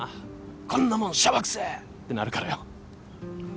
こんなもんシャバくせえってなるからよ。